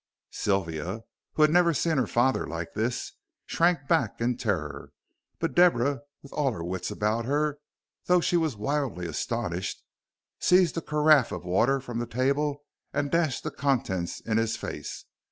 Sylvia, who had never seen her father like this, shrank back in terror, but Deborah, with all her wits about her, though she was wildly astonished, seized a carafe of water from the table and dashed the contents in his face.